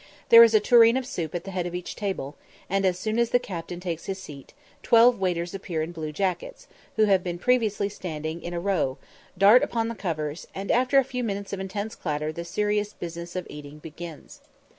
There is a tureen of soup at the head of each table, and, as soon as the captain takes his seat, twelve waiters in blue jackets, who have been previously standing in a row, dart upon the covers, and after a few minutes of intense clatter the serious business of eating begins.